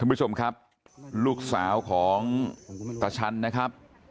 คุณผู้ชมครับลูกสาวของตะชันนะครับ